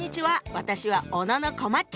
私は小野こまっち。